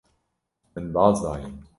Min baz daye.